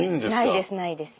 ないですないです。